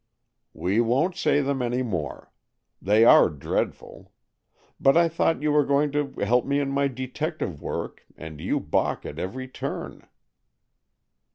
"We won't say them any more. They are dreadful. But I thought you were going to help me in my detective work, and you balk at every turn."